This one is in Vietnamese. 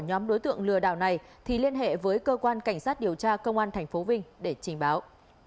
nhóm đối tượng lừa đảo này thì liên hệ với cơ quan cảnh sát điều tra công an tp vinh để trình báo